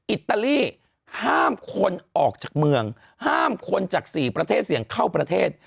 อิตาลีห้ามคนออกจากเมืองห้ามคนจาก๔ประเทศเสี่ยงเข้าประเทศ